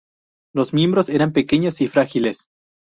Los miembros eran pequeños y frágiles.